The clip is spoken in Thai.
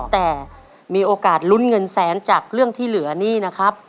แต่มีโอกาสลุ้นเงินแสนจากเรื่องที่เหลือนี่นะครับ